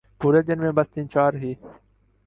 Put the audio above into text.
پورے دن میں بس تین چار ہی ۔